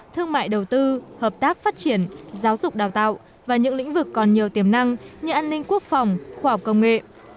thương mại đầu tư hợp tác phát triển giáo dục đào tạo và những lĩnh vực còn nhiều tiềm năng như an ninh quốc phòng khoa học công nghệ